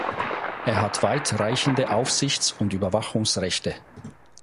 Er hat weit reichende Aufsichts- und Überwachungsrechte.